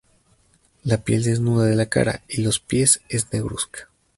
La piel desnuda de la cara y los pies es negruzca.